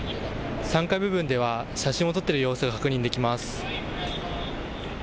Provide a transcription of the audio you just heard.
３階部分では写真を撮っている様子が確認できます。